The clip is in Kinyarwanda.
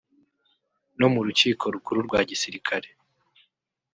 no mu rukiko rukuru rwa Gisirikare